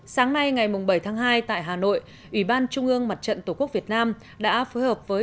sáng nay ngày bảy tháng hai tại hà nội ủy ban trung ương mặt trận tổ quốc việt nam đã phối hợp với